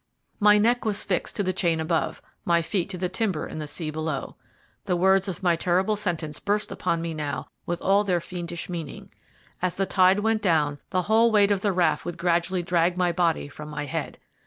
My neck was fixed to the chain above, my feet to the timber in the sea below. The words of my terrible sentence burst upon me now with all their fiendish meaning. As the tide went down the whole weight of the raft would gradually drag my body from my head.